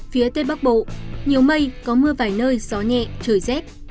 phía tây bắc bộ nhiều mây có mưa vài nơi gió nhẹ trời rét